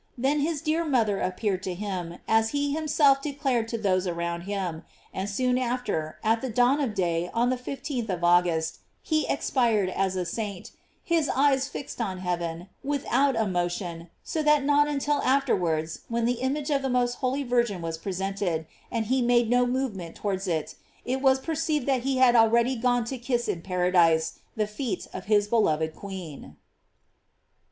Then his dear mother ap peared to him, as he himself declared to those around him, and soon after, at the dawa of day on the fifteenth of August, he expired as a saint, his eyes fixed on heaven, without a motion, so that not until afterwards, when the image of the most holy Virgin was presented, and he made no movement towards it, it was perceived that he had already gone to kiss in paradise the feet of his beloved queen.